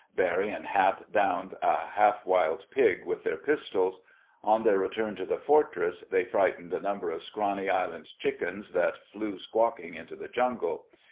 Barry and Hap downed a half wild pig with their pistols. On their return to the Fortress, they frightened a number of scrawny island chickens that flew squawking into the jungle.